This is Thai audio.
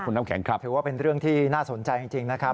ถือว่าเป็นเรื่องที่น่าสนใจจริงนะครับ